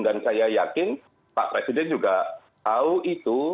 dan saya yakin pak presiden juga tahu itu